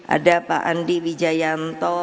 ada pak andi wijayanto